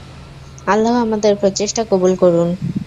আল্লাহ আমাদের প্রচেষ্টা কবুল করুন!